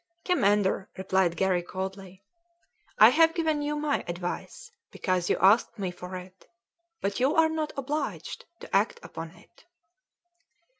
"Commander," replied Garry coldly, "I have given you my advice because you asked me for it; but you are not obliged to act upon it."